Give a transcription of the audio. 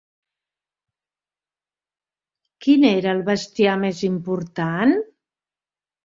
Quin era el bestiar més important?